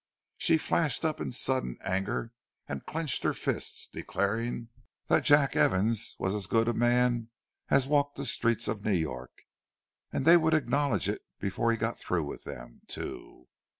She flashed up in sudden anger, and clenched her fists, declaring that Jack Evans was as good a man as walked the streets of New York—and they would acknowledge it before he got through with them, too!